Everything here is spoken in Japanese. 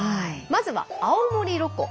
まずは青森ロコ